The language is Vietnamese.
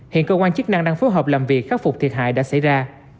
hiện cơ quan chức năng đang phối hợp làm việc khắc phục thiệt hại đã xảy ra